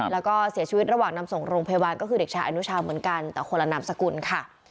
แล้วก็เสียชีวิตระหว่างนำส่งโรงพยาบาลก็คือเด็กชายอนุชาเหมือนกันแต่คนละนามสกุลค่ะ